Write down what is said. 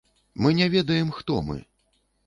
Мы не ведаем, хто мы.